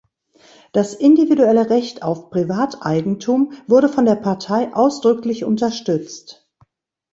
Das individuelle Recht auf Privateigentum wurde von der Partei ausdrücklich unterstützt.